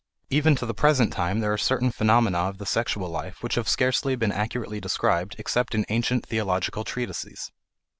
Even to the present time there are certain phenomena of the sexual life which have scarcely been accurately described except in ancient theological treatises.